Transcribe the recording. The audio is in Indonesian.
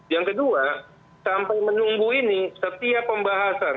yang kedua sampai menunggu ini setiap pembahasan